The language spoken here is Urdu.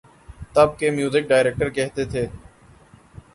تب کے میوزک ڈائریکٹر کہتے تھے۔